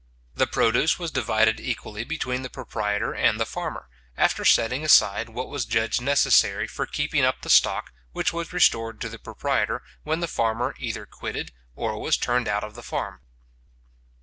The produce was divided equally between the proprietor and the farmer, after setting aside what was judged necessary for keeping up the stock, which was restored to the proprietor, when the farmer either quitted or was turned out of the farm.